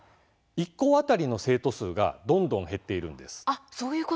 １校当たりの生徒数がどんどん減っているんです。